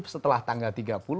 setelah tanggal tiga puluh